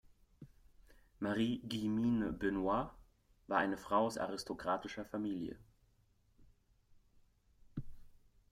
Marie-Guillemine Benoist war eine Frau aus aristokratischer Familie.